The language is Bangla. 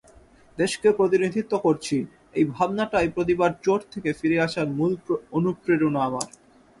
দেশকে প্রতিনিধিত্ব করছি—এই ভাবনাটাই প্রতিবার চোট থেকে ফিরে আসার মূল অনুপ্রেরণা আমার।